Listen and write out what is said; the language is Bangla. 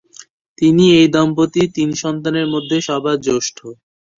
তিনি এই দম্পতির তিন সন্তানের মধ্যে সবার জ্যেষ্ঠ।